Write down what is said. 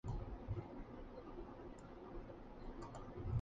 Odd Iversen is the father of Steffen Iversen.